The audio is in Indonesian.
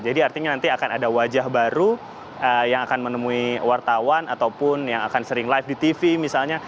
jadi artinya nanti akan ada wajah baru yang akan menemui wartawan ataupun yang akan sering live di tv misalnya